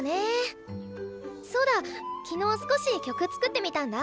そうだ昨日少し曲作ってみたんだ。